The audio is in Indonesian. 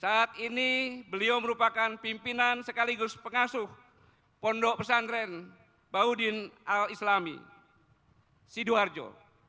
saat ini beliau merupakan pimpinan sekaligus pengasuh pondok pesantren baudin al islami sidoarjo